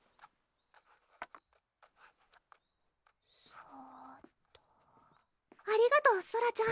そーっとありがとうソラちゃん